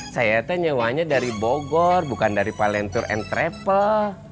saya nyewanya dari bogor bukan dari palen tour and travel